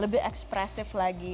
lebih ekspresif lagi